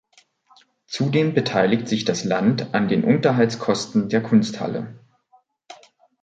Zudem beteiligt sich das Land an den Unterhaltskosten der Kunsthalle.